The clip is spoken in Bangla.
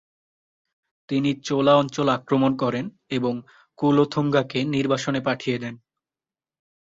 তিনি চোলা অঞ্চল আক্রমণ করেন এবং কুলোথুঙ্গাকে নির্বাসনে পাঠিয়ে দেন।